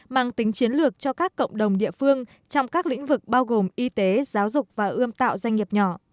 mang tính chiến lược cho các cộng đồng địa phương trong các lĩnh vực bao gồm y tế giáo dục và ươm tạo doanh nghiệp nhỏ